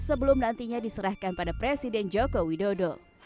sebelum nantinya diserahkan pada presiden joko widodo